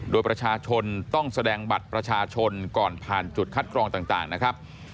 โดยประชาชนต้องแสดงบัตรประชาชนก่อนผ่านจุดคัดกรองต่างนะครับ